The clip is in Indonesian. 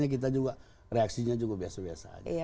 itu biasa saja makanya kita reaksinya juga biasa biasa saja